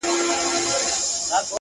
جالبه دا ده یار چي مخامخ جنجال ته ګورم!!